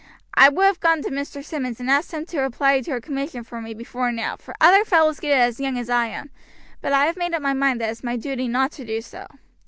I would have gone to Mr. Simmonds and asked him to apply for a commission for me before now, for other fellows get it as young as I am; but I have made up my mind that it's my duty not to do so.